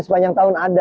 sepanjang tahun ada